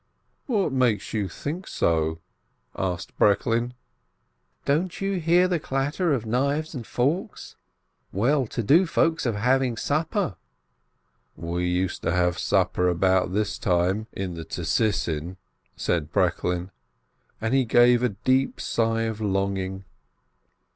"What makes you think so?" asks Breklin. "Don't you hear the clatter of knives and forks? Well to do folk are having supper." "We also used to have supper about this time, in the Tsisin," said Breklin, and he gave a deep sigh of longing.